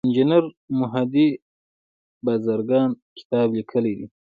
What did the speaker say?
انجینیر مهدي بازرګان کتاب لیکلی دی.